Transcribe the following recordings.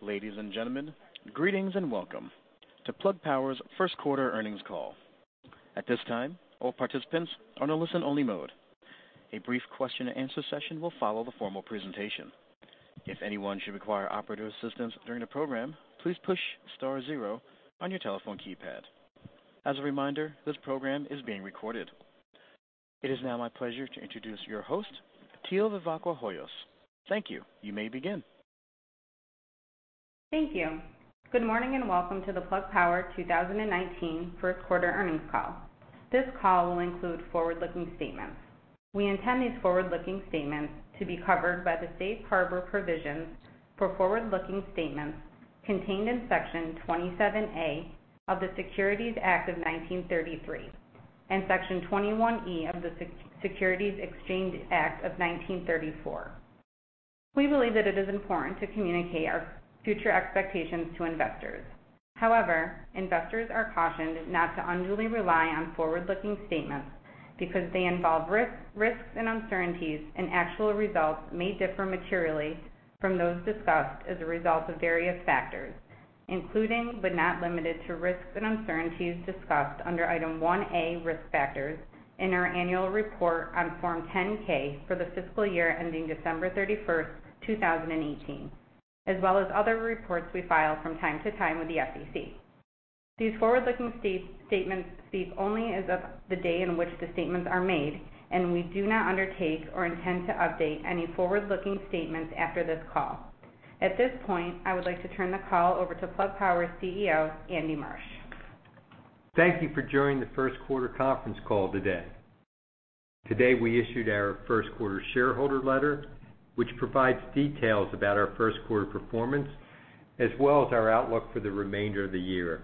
Ladies and gentlemen, greetings and welcome to Plug Power's first quarter earnings call. At this time, all participants are in a listen-only mode. A brief question and answer session will follow the formal presentation. If anyone should require operator assistance during the program, please push star zero on your telephone keypad. As a reminder, this program is being recorded. It is now my pleasure to introduce your host, Teal Vivacqua Hoyos. Thank you. You may begin. Thank you. Good morning and welcome to the Plug Power 2019 first quarter earnings call. This call will include forward-looking statements. We intend these forward-looking statements to be covered by the safe harbor provisions for forward-looking statements contained in Section 27A of the Securities Act of 1933 and Section 21E of the Securities Exchange Act of 1934. We believe that it is important to communicate our future expectations to investors. However, investors are cautioned not to unduly rely on forward-looking statements because they involve risks and uncertainties, and actual results may differ materially from those discussed as a result of various factors, including but not limited to risks and uncertainties discussed under Item 1A, Risk Factors, in our annual report on Form 10-K for the fiscal year ending December 31st, 2018, as well as other reports we file from time to time with the SEC. These forward-looking statements speak only as of the day in which the statements are made. We do not undertake or intend to update any forward-looking statements after this call. At this point, I would like to turn the call over to Plug Power CEO, Andy Marsh. Thank you for joining the first quarter conference call today. Today, we issued our first quarter shareholder letter, which provides details about our first quarter performance, as well as our outlook for the remainder of the year.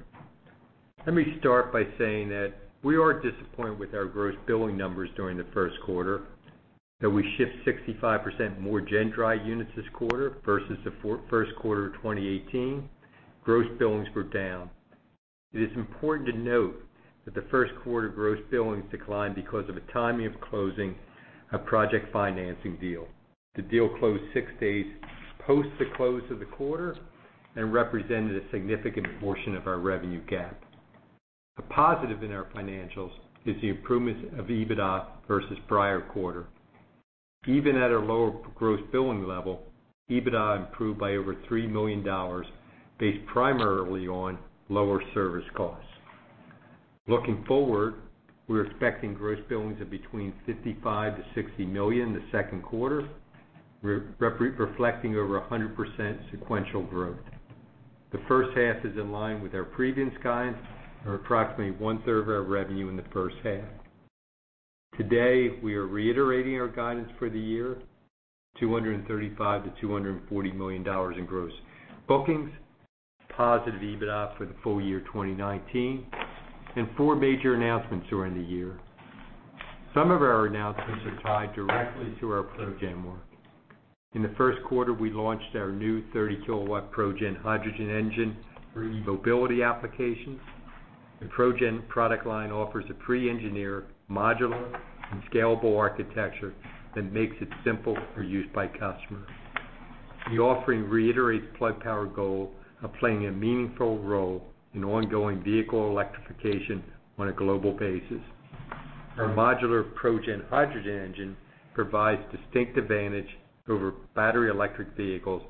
Let me start by saying that we are disappointed with our gross billing numbers during the first quarter. Though we shipped 65% more GenDrive units this quarter versus the first quarter of 2018, gross billings were down. It is important to note that the first quarter gross billings declined because of a timing of closing a project financing deal. The deal closed six days post the close of the quarter and represented a significant portion of our revenue gap. A positive in our financials is the improvements of EBITDA versus prior quarter. Even at a lower gross billing level, EBITDA improved by over $3 million, based primarily on lower service costs. Looking forward, we're expecting gross billings of between $55 million-$60 million in the second quarter, reflecting over 100% sequential growth. The first half is in line with our previous guidance or approximately one-third of our revenue in the first half. Today, we are reiterating our guidance for the year, $235 million-$240 million in gross bookings, positive EBITDA for the full year 2019, and four major announcements during the year. Some of our announcements are tied directly to our ProGen work. In the first quarter, we launched our new 30-kilowatt ProGen hydrogen engine for mobility applications. The ProGen product line offers a pre-engineered modular and scalable architecture that makes it simple for use by customers. The offering reiterates Plug Power goal of playing a meaningful role in ongoing vehicle electrification on a global basis. Our modular ProGen hydrogen engine provides distinct advantage over battery electric vehicles,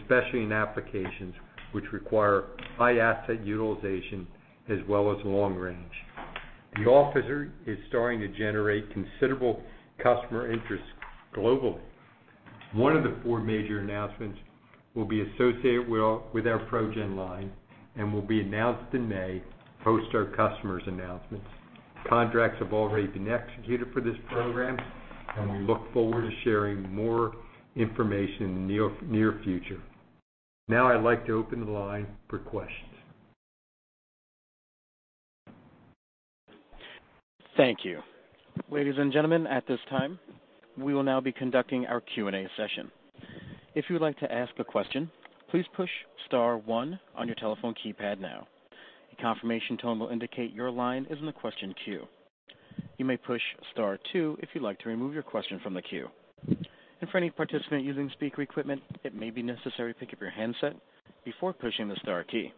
especially in applications which require high asset utilization as well as long range. The offering is starting to generate considerable customer interest globally. One of the four major announcements will be associated with our ProGen line and will be announced in May post our customers' announcements. Contracts have already been executed for this program, and we look forward to sharing more information in the near future. I'd like to open the line for questions. Thank you. Ladies and gentlemen, at this time, we will now be conducting our Q&A session. If you would like to ask a question, please push star one on your telephone keypad now. A confirmation tone will indicate your line is in the question queue. You may push star two if you'd like to remove your question from the queue. For any participant using speaker equipment, it may be necessary to pick up your handset before pushing the star key.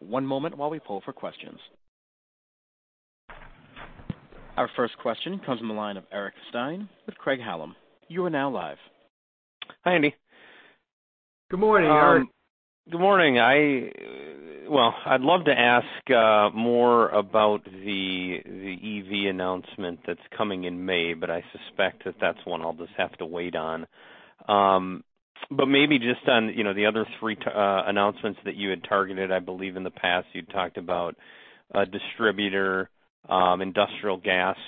One moment while we pull for questions. Our first question comes on the line of Eric Stine with Craig-Hallum. You are now live. Hi, Andy. Good morning, Eric. Good morning. I'd love to ask more about the EV announcement that's coming in May, I suspect that that's one I'll just have to wait on. Maybe just on the other three announcements that you had targeted, I believe in the past, you talked about a distributor, industrial gas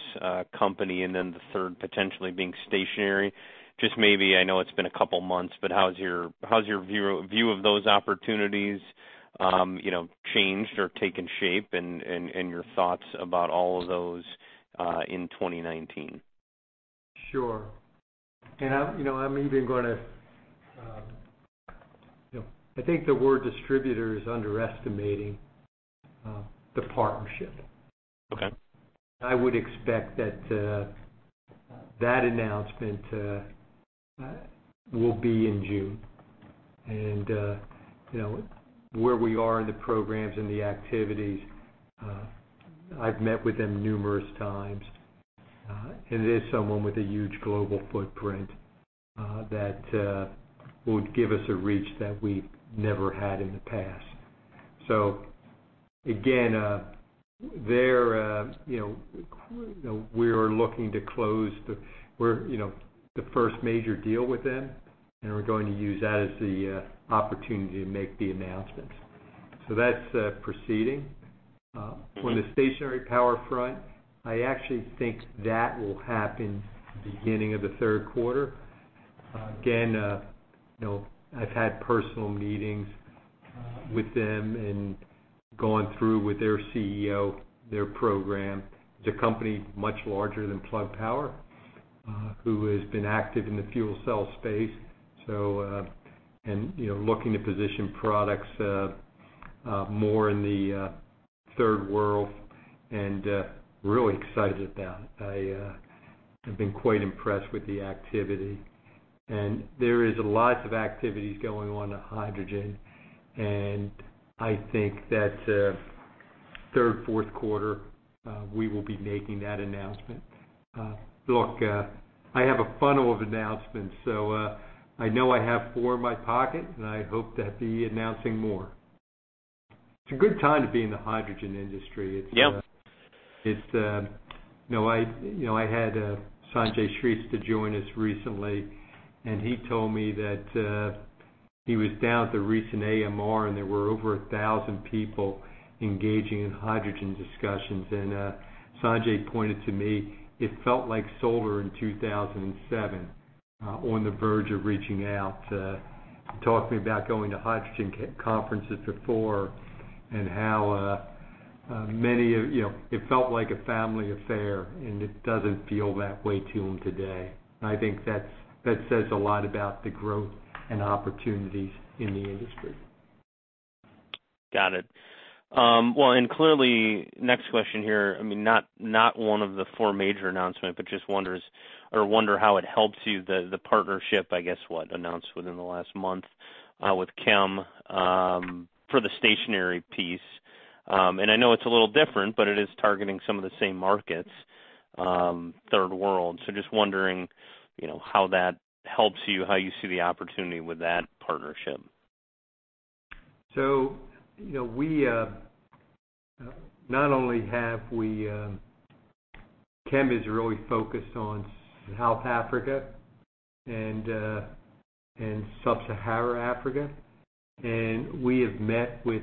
company, and then the third potentially being stationary. I know it's been a couple of months, but how has your view of those opportunities changed or taken shape and your thoughts about all of those in 2019? Sure. I think the word distributor is underestimating the partnership. Okay. I would expect that announcement will be in June. Where we are in the programs and the activities, I've met with them numerous times. It is someone with a huge global footprint that would give us a reach that we never had in the past. Again, we are looking to close the first major deal with them, and we're going to use that as the opportunity to make the announcement. That's proceeding. On the stationary power front, I actually think that will happen beginning of the third quarter. Again, I've had personal meetings with them and gone through with their CEO, their program. It's a company much larger than Plug Power, who has been active in the fuel cell space. Looking to position products more in the third world and really excited about it. I've been quite impressed with the activity. There is lots of activities going on at hydrogen, and I think that third, fourth quarter, we will be making that announcement. Look, I have a funnel of announcements, so I know I have four in my pocket, and I hope to be announcing more. It's a good time to be in the hydrogen industry. Yep. I had Sanjay Shrestha to join us recently, and he told me that he was down at the recent AMR, and there were over 1,000 people engaging in hydrogen discussions. Sanjay pointed to me, it felt like solar in 2007, on the verge of reaching out. He talked to me about going to hydrogen conferences before and how it felt like a family affair, and it doesn't feel that way to him today. I think that says a lot about the growth and opportunities in the industry. Got it. Clearly, next question here, not one of the four major announcement, but just wonder how it helps you, the partnership, I guess, announced within the last month with Chem for the stationary piece. I know it's a little different, but it is targeting some of the same markets, third world. Just wondering how that helps you, how you see the opportunity with that partnership. Chem is really focused on South Africa and Sub-Saharan Africa. We have met with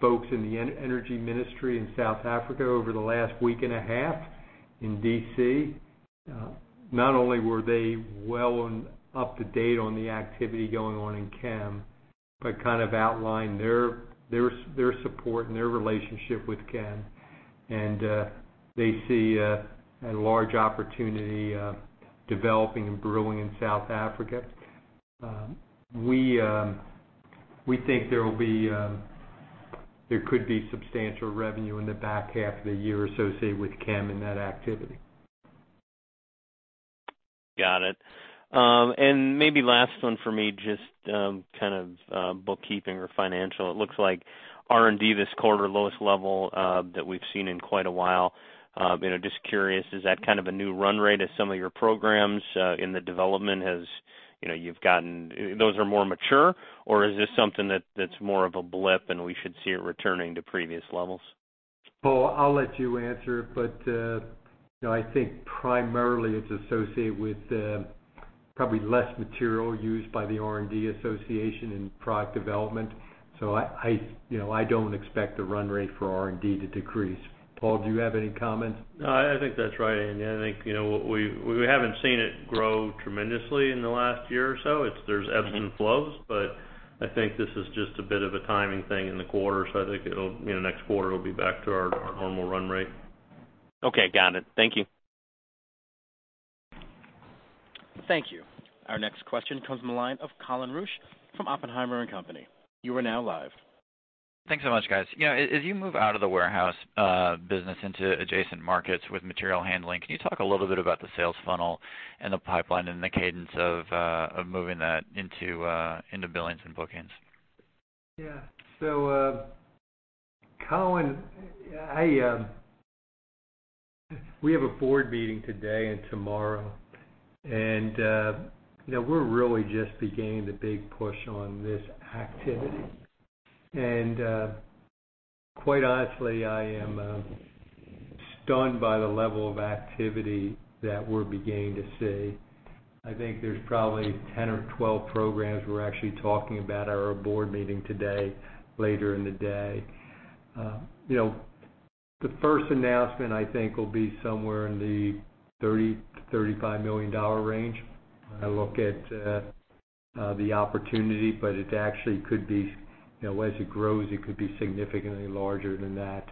folks in the Energy Ministry in South Africa over the last week and a half in D.C. Not only were they well up to date on the activity going on in Chem, but kind of outlined their support and their relationship with Chem. They see a large opportunity developing and brewing in South Africa. We think there could be substantial revenue in the back half of the year associated with Chem and that activity. Got it. Maybe last one for me, just kind of bookkeeping or financial. It looks like R&D this quarter, lowest level that we've seen in quite a while. Just curious, is that kind of a new run rate as some of your programs in the development, those are more mature? Or is this something that's more of a blip and we should see it returning to previous levels? Paul, I'll let you answer, but I think primarily it's associated with probably less material used by the R&D association in product development. I don't expect the run rate for R&D to decrease. Paul, do you have any comment? No, I think that's right, Andy. I think we haven't seen it grow tremendously in the last year or so. There's ebbs and flows, but I think this is just a bit of a timing thing in the quarter. I think next quarter will be back to our normal run rate. Okay. Got it. Thank you. Thank you. Our next question comes from the line of Colin Rusch from Oppenheimer & Co.. You are now live. Thanks so much, guys. As you move out of the warehouse business into adjacent markets with material handling, can you talk a little bit about the sales funnel and the pipeline and the cadence of moving that into billings and bookings? Yeah. Colin, we have a board meeting today and tomorrow, we're really just beginning the big push on this activity. Quite honestly, I am stunned by the level of activity that we're beginning to see. I think there's probably 10 or 12 programs we're actually talking about at our board meeting today, later in the day. The first announcement, I think, will be somewhere in the $30 million-$35 million range. I look at the opportunity, as it grows, it could be significantly larger than that.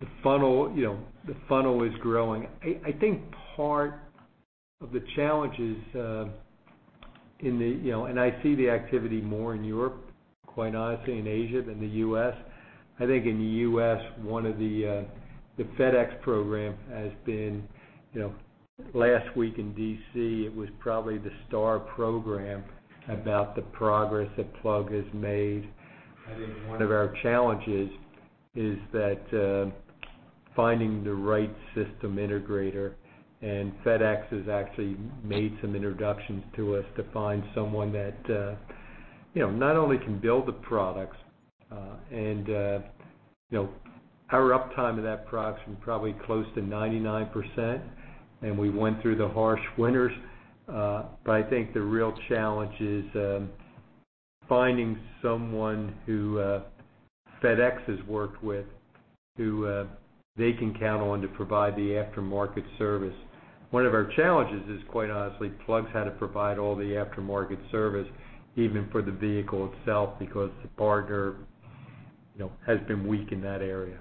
The funnel is growing. I think part of the challenges, I see the activity more in Europe, quite honestly, in Asia than the U.S.. I think in the U.S., the FedEx program has been Last week in D.C., it was probably the star program about the progress that Plug has made. I think one of our challenges is that finding the right system integrator, FedEx has actually made some introductions to us to find someone that not only can build the products. Our uptime of that product's been probably close to 99%, we went through the harsh winters. I think the real challenge is finding someone who FedEx has worked with who they can count on to provide the aftermarket service. One of our challenges is, quite honestly, Plug's had to provide all the aftermarket service, even for the vehicle itself, because the partner has been weak in that area.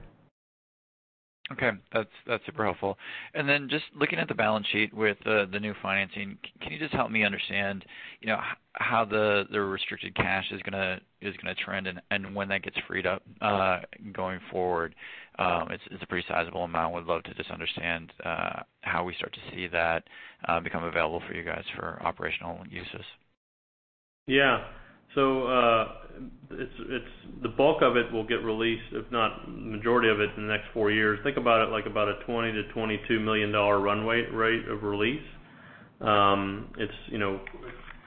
Okay. That's super helpful. Just looking at the balance sheet with the new financing, can you just help me understand how the restricted cash is going to trend and when that gets freed up going forward? It's a pretty sizable amount. Would love to just understand how we start to see that become available for you guys for operational uses. Yeah. The bulk of it will get released, if not majority of it, in the next 4 years. Think about it like about a $20 million-$22 million runway rate of release. It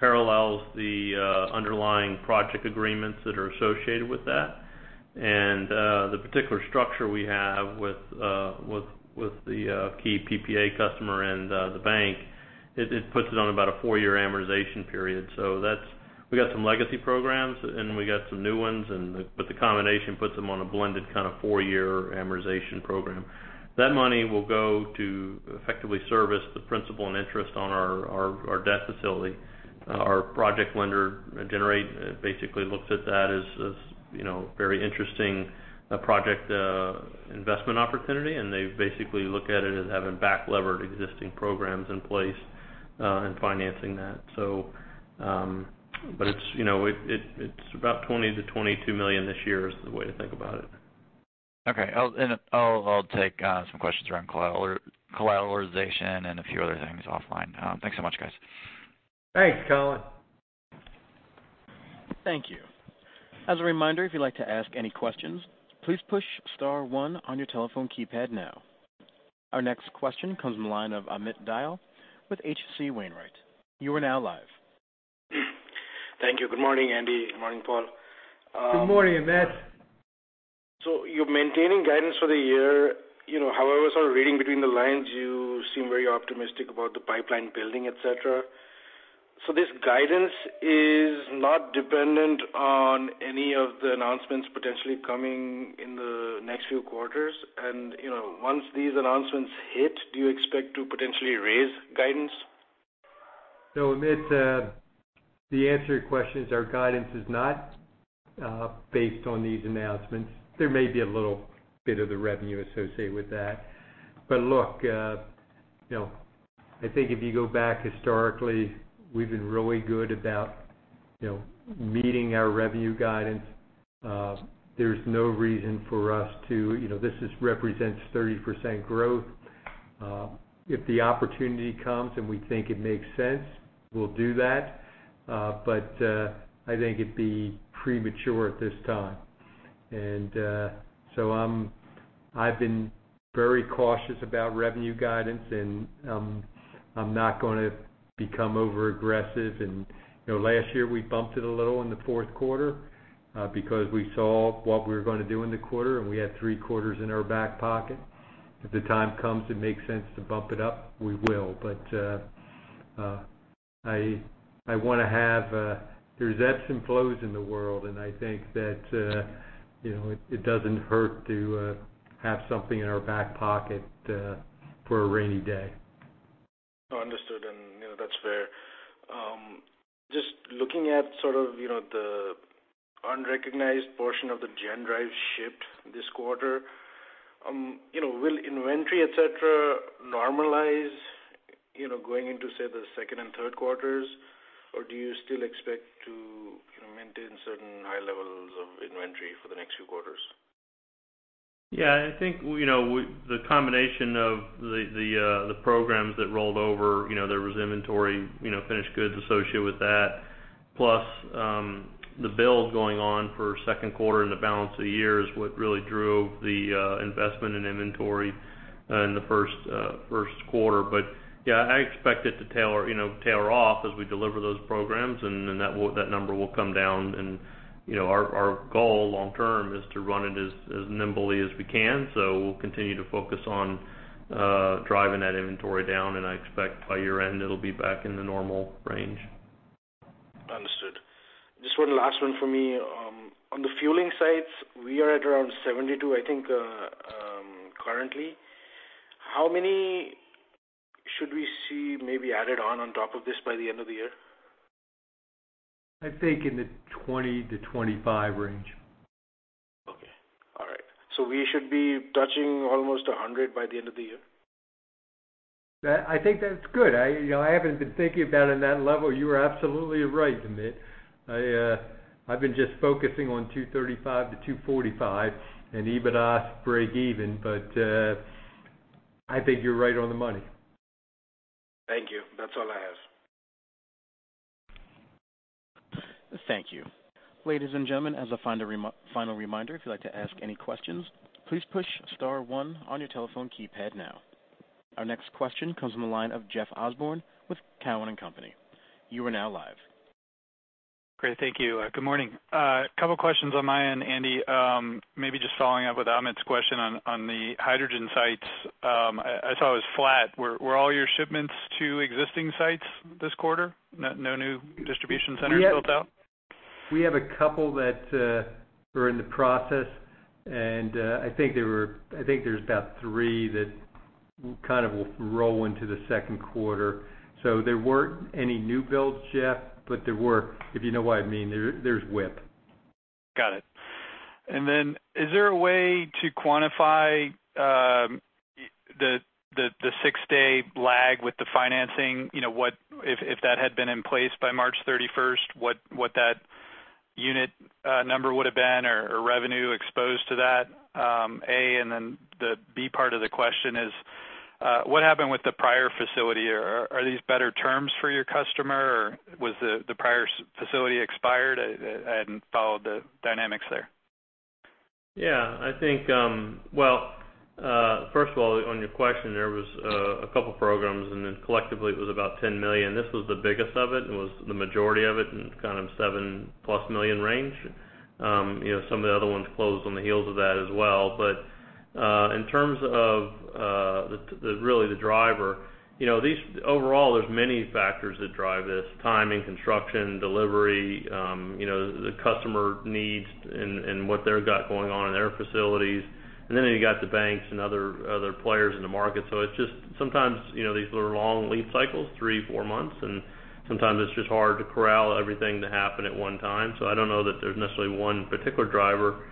parallels the underlying project agreements that are associated with that. The particular structure we have with the key PPA customer and the bank, it puts it on about a 4-year amortization period. We've got some legacy programs and we got some new ones, but the combination puts them on a blended kind of 4-year amortization program. That money will go to effectively service the principal and interest on our debt facility. Our project lender, Generate Capital, basically looks at that as a very interesting project investment opportunity, and they basically look at it as having back-levered existing programs in place and financing that. It's about $20 million-$22 million this year, is the way to think about it. Okay. I'll take some questions around collateralization and a few other things offline. Thanks so much, guys. Thanks, Colin. Thank you. As a reminder, if you'd like to ask any questions, please push star one on your telephone keypad now. Our next question comes from the line of Amit Dayal with HC Wainwright. You are now live. Thank you. Good morning, Andy. Good morning, Paul. Good morning, Amit. You're maintaining guidance for the year. However, sort of reading between the lines, you seem very optimistic about the pipeline building, et cetera. This guidance is not dependent on any of the announcements potentially coming in the next few quarters? Once these announcements hit, do you expect to potentially raise guidance? Amit, the answer to your question is our guidance is not based on these announcements. There may be a little bit of the revenue associated with that. Look, I think if you go back historically, we've been really good about meeting our revenue guidance. This represents 30% growth. If the opportunity comes and we think it makes sense, we'll do that. I think it'd be premature at this time. I've been very cautious about revenue guidance, and I'm not going to become overaggressive. Last year, we bumped it a little in the fourth quarter because we saw what we were going to do in the quarter, and we had three quarters in our back pocket. If the time comes, it makes sense to bump it up, we will. There's ebbs and flows in the world, and I think that it doesn't hurt to have something in our back pocket for a rainy day. Understood, that's fair. Just looking at the unrecognized portion of the GenDrive shipped this quarter, will inventory, et cetera, normalize, going into, say, the second and third quarters? Or do you still expect to maintain certain high levels of inventory for the next few quarters? Yeah, I think the combination of the programs that rolled over, there was inventory, finished goods associated with that. Plus, the build going on for second quarter and the balance of the year is what really drove the investment in inventory in the first quarter. Yeah, I expect it to tailor off as we deliver those programs, and then that number will come down. Our goal long term is to run it as nimbly as we can. We'll continue to focus on driving that inventory down, and I expect by year-end, it'll be back in the normal range. Understood. Just one last one for me. On the fueling sites, we are at around 72, I think, currently. How many should we see maybe added on top of this by the end of the year? I think in the 20-25 range. Okay. All right. We should be touching almost 100 by the end of the year? I think that's good. I haven't been thinking about it on that level. You are absolutely right, Amit. I've been just focusing on 235 to 245 and EBITDA break even. I think you're right on the money. Thank you. That's all I have. Thank you. Ladies and gentlemen, as a final reminder, if you'd like to ask any questions, please push star one on your telephone keypad now. Our next question comes from the line of Jeff Osborne with Cowen and Company. You are now live. Great, thank you. Good morning. A couple of questions on my end, Andy. Maybe just following up with Amit's question on the hydrogen sites. I saw it was flat. Were all your shipments to existing sites this quarter? No new distribution centers built out? We have a couple that are in the process. I think there's about three that will roll into the second quarter. There weren't any new builds, Jeff, but there were, if you know what I mean, there's whip. Got it. Then, is there a way to quantify the six-day lag with the financing? If that had been in place by March 31st, what that unit number would've been or revenue exposed to that, A. Then the B part of the question is, what happened with the prior facility? Are these better terms for your customer, or was the prior facility expired? I hadn't followed the dynamics there. Well, first of all, on your question, there was a couple of programs. Then collectively it was about $10 million. This was the biggest of it. It was the majority of it and kind of $7-plus million range. Some of the other ones closed on the heels of that as well. In terms of really the driver, overall there's many factors that drive this: timing, construction, delivery, the customer needs and what they've got going on in their facilities. Then you've got the banks and other players in the market. It's just sometimes, these are long lead cycles, three, four months, and sometimes it's just hard to corral everything to happen at one time. I don't know that there's necessarily one particular driver.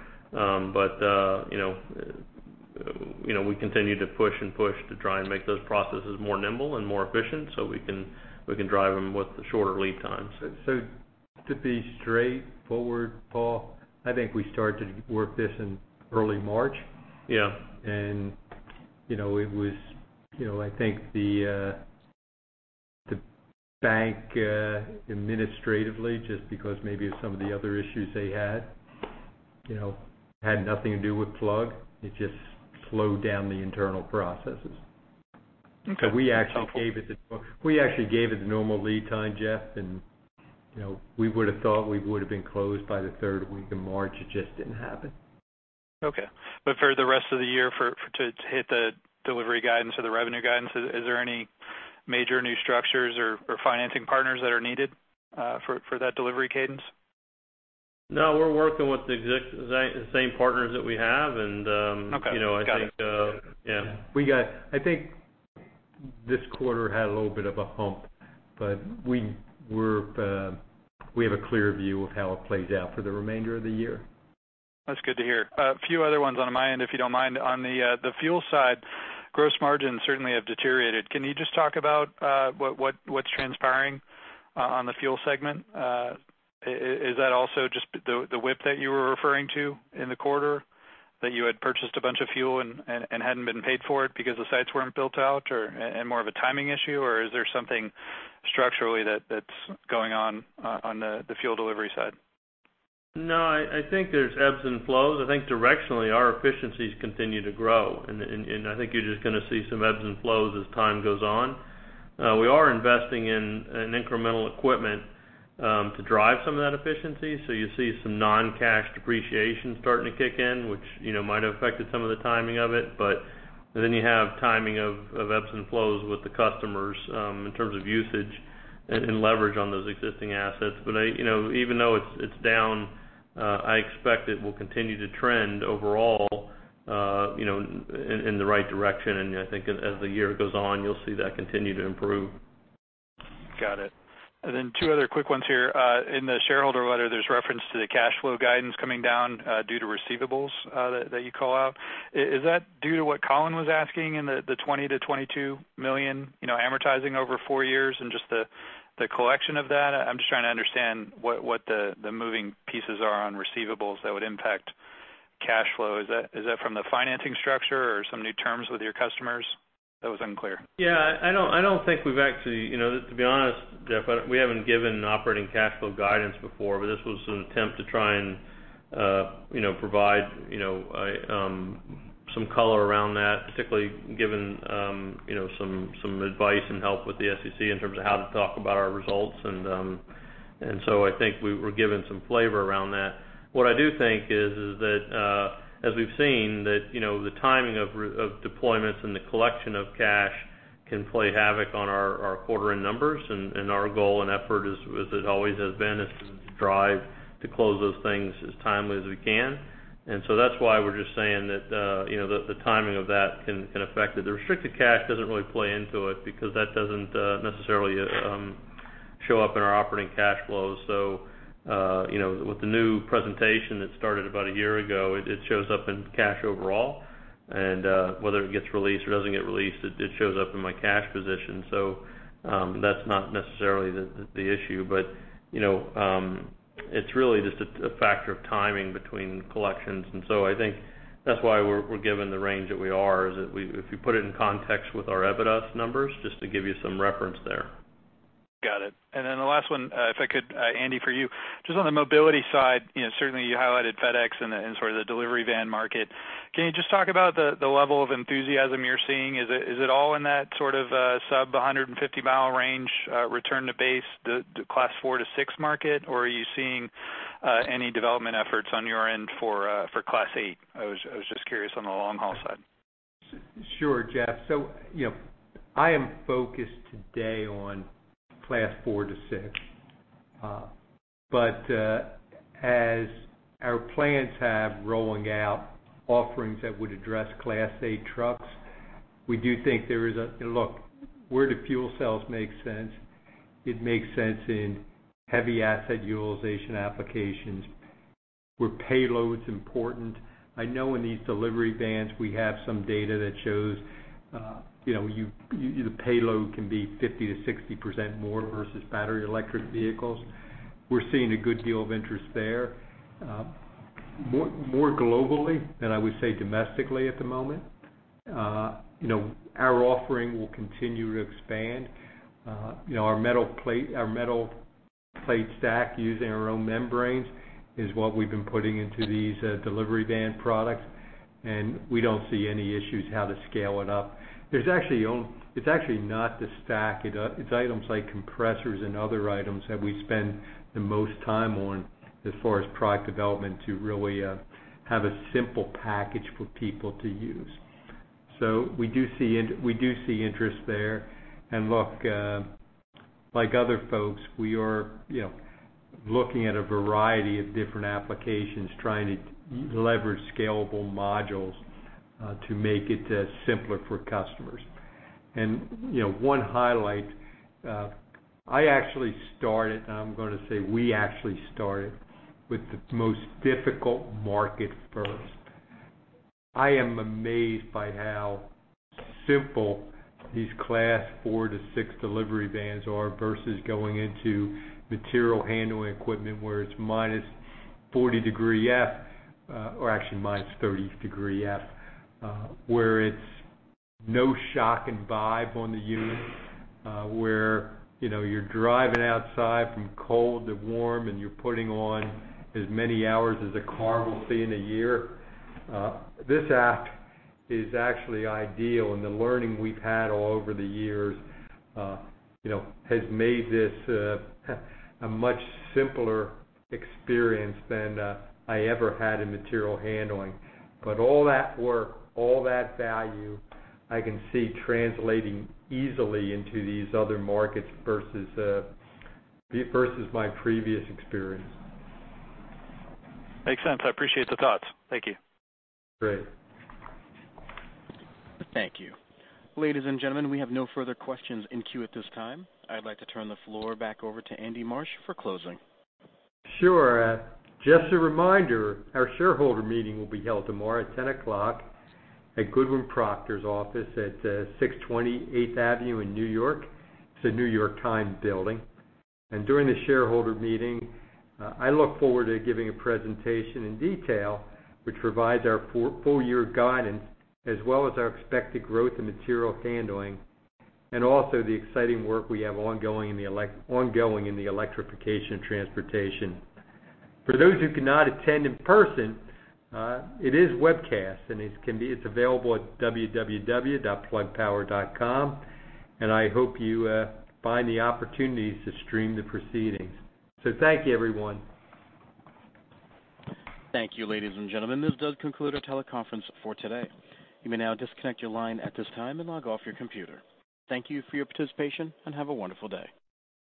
We continue to push and push to try and make those processes more nimble and more efficient so we can drive them with the shorter lead times. To be straightforward, Paul, I think we started to work this in early March. Yeah. I think the bank administratively, just because maybe of some of the other issues they had nothing to do with Plug. It just slowed down the internal processes. That's helpful. We actually gave it the normal lead time, Jeff, we would've thought we would've been closed by the third week of March. It just didn't happen. Okay. For the rest of the year to hit the delivery guidance or the revenue guidance, is there any major new structures or financing partners that are needed for that delivery cadence? No, we're working with the same partners that we have. Okay. Got it. I think Yeah. I think this quarter had a little bit of a hump, but we have a clear view of how it plays out for the remainder of the year. That's good to hear. A few other ones on my end, if you don't mind. On the fuel side, gross margins certainly have deteriorated. Can you just talk about what's transpiring on the fuel segment? Is that also just the whip that you were referring to in the quarter? That you had purchased a bunch of fuel and hadn't been paid for it because the sites weren't built out, and more of a timing issue, or is there something structurally that's going on the fuel delivery side? No, I think there's ebbs and flows. I think directionally, our efficiencies continue to grow, and I think you're just going to see some ebbs and flows as time goes on. We are investing in incremental equipment to drive some of that efficiency, so you see some non-cash depreciation starting to kick in, which might have affected some of the timing of it. You have timing of ebbs and flows with the customers in terms of usage and leverage on those existing assets. Even though it's down, I expect it will continue to trend overall in the right direction, and I think as the year goes on, you'll see that continue to improve. Got it. Two other quick ones here. In the shareholder letter, there's reference to the cash flow guidance coming down due to receivables that you call out. Is that due to what Colin was asking in the $20 million-$22 million amortizing over four years and just the collection of that? I'm just trying to understand what the moving pieces are on receivables that would impact cash flow. Is that from the financing structure or some new terms with your customers? That was unclear. I don't think we've actually. To be honest, Jeff, we haven't given operating cash flow guidance before. This was an attempt to try and provide some color around that, particularly given some advice and help with the SEC in terms of how to talk about our results. I think we're giving some flavor around that. What I do think is that, as we've seen, the timing of deployments and the collection of cash can play havoc on our quarter-end numbers. Our goal and effort, as it always has been, is to drive to close those things as timely as we can. That's why we're just saying that the timing of that can affect it. The restricted cash doesn't really play into it because that doesn't necessarily show up in our operating cash flows. With the new presentation that started about a year ago, it shows up in cash overall, and whether it gets released or doesn't get released, it shows up in my cash position. That's not necessarily the issue. It's really just a factor of timing between collections. I think that's why we're given the range that we are, is if you put it in context with our EBITDA numbers, just to give you some reference there. Got it. The last one, if I could, Andy, for you, just on the mobility side, certainly you highlighted FedEx and sort of the delivery van market. Can you just talk about the level of enthusiasm you're seeing? Is it all in that sort of sub 150-mile range, return to base, the class 4 to 6 market, or are you seeing any development efforts on your end for class 8? I was just curious on the long-haul side. Sure, Jeff. I am focused today on class 4 to 6. As our plants have rolling out offerings that would address class 8 trucks, we do think there is a Look, where do fuel cells make sense? It makes sense in heavy asset utilization applications where payload's important. I know in these delivery vans, we have some data that shows the payload can be 50%-60% more versus battery electric vehicles. We're seeing a good deal of interest there. More globally than I would say domestically at the moment. Our offering will continue to expand. Our metal plate stack using our own membranes is what we've been putting into these delivery van products, we don't see any issues how to scale it up. It's actually not the stack. It's items like compressors and other items that we spend the most time on as far as product development to really have a simple package for people to use. We do see interest there and look, like other folks, we are looking at a variety of different applications trying to leverage scalable modules to make it simpler for customers. One highlight, I actually started, and I'm going to say we actually started with the most difficult market first. I am amazed by how simple these class 4 to 6 delivery vans are versus going into material handling equipment where it's minus 40 degrees Fahrenheit, or actually minus 30 degrees Fahrenheit, where it's no shock and vibe on the unit, where you're driving outside from cold to warm, and you're putting on as many hours as a car will see in a year. This app is actually ideal, and the learning we've had all over the years has made this a much simpler experience than I ever had in material handling. All that work, all that value, I can see translating easily into these other markets versus my previous experience. Makes sense. I appreciate the thoughts. Thank you. Great. Thank you. Ladies and gentlemen, we have no further questions in queue at this time. I'd like to turn the floor back over to Andy Marsh for closing. Sure. Just a reminder, our shareholder meeting will be held tomorrow at 10:00 A.M. at Goodwin Procter's office at 620 8th Avenue in New York. It's a The New York Times Building. During the shareholder meeting, I look forward to giving a presentation in detail, which provides our full year guidance as well as our expected growth in material handling, and also the exciting work we have ongoing in the electrification of transportation. For those who cannot attend in person, it is webcast, and it's available at www.plugpower.com, and I hope you find the opportunities to stream the proceedings. Thank you, everyone. Thank you, ladies and gentlemen. This does conclude our teleconference for today. You may now disconnect your line at this time and log off your computer. Thank you for your participation, and have a wonderful day.